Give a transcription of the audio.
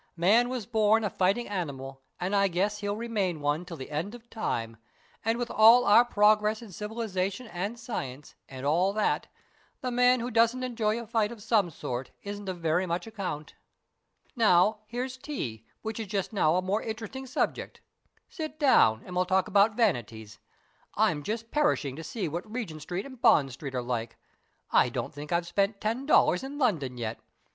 "Man was born a fighting animal, and I guess he'll remain one till the end of time; and with all our progress in civilisation and science, and all that, the man who doesn't enjoy a fight of some sort isn't of very much account. Now, here's tea, which is just now a more interesting subject. Sit down, and we'll talk about vanities. I'm just perishing to see what Regent Street and Bond Street are like. I don't think I've spent ten dollars in London yet.